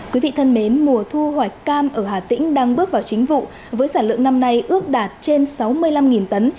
quý vị thân mến mùa thu hoạch cam ở hà tĩnh đang bước vào chính vụ với sản lượng năm nay ước đạt trên sáu mươi năm tấn